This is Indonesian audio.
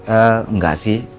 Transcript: eee enggak sih